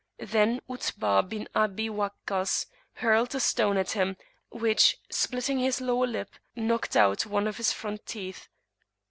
Then Utbah bin Abi Wakkas hurled a stone at him, which, splitting his lower lip, knocked out one of his front teeth.